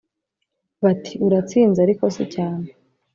bati : uratsinze ariko si cyane